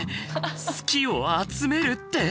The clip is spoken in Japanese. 好きを集めるって！？